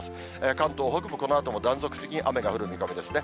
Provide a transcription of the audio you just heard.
関東北部、このあとも断続的に雨が降る見込みですね。